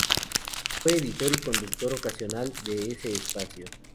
Fue editor y conductor ocasional de ese espacio.